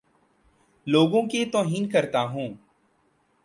لوگوں کے توہین کرتا ہوں